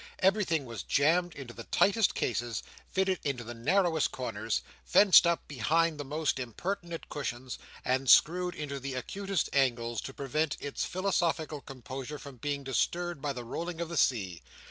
Everything was jammed into the tightest cases, fitted into the narrowest corners, fenced up behind the most impertinent cushions, and screwed into the acutest angles, to prevent its philosophical composure from being disturbed by the rolling of the sea.